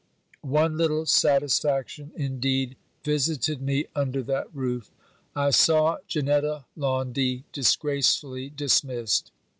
One little satisfaction, indeed, visited me under that roof. I saw Janetta Laundy disgracefully dismissed.